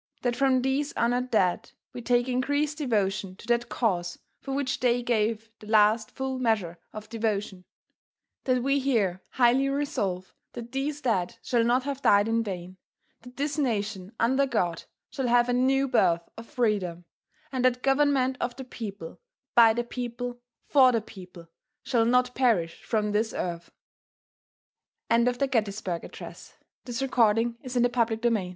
. .that from these honored dead we take increased devotion to that cause for which they gave the last full measure of devotion. .. that we here highly resolve that these dead shall not have died in vain. .. that this nation, under God, shall have a new birth of freedom. .. and that government of the people. . .by the people. . .for the people. .. shall not perish from this earth.